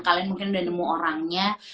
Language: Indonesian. kalian mungkin udah nemu orangnya